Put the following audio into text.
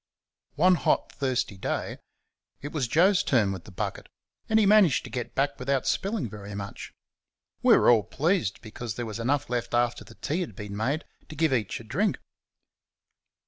One hot, thirsty day it was Joe's turn with the bucket, and he managed to get back without spilling very much. We were all pleased because there was enough left after the tea had been made to give each a drink.